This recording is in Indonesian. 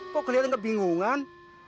kok kelihatan kebingungan